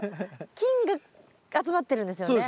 菌が集まってるんですよね？